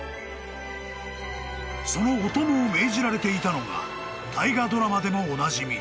［そのお供を命じられていたのが大河ドラマでもおなじみ